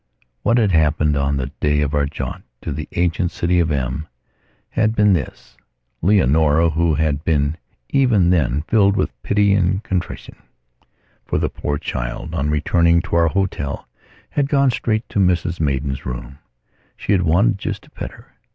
What had happened on the day of our jaunt to the ancient city of M had been this: Leonora, who had been even then filled with pity and contrition for the poor child, on returning to our hotel had gone straight to Mrs Maidan's room. She had wanted just to pet her.